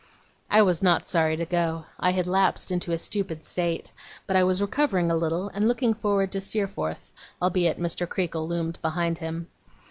I was not sorry to go. I had lapsed into a stupid state; but I was recovering a little and looking forward to Steerforth, albeit Mr. Creakle loomed behind him.